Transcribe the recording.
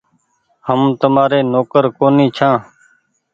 هم تمآري نوڪر ڪونيٚ ڇآن